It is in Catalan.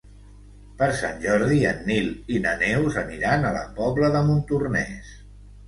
Per Sant Jordi en Nil i na Neus aniran a la Pobla de Montornès.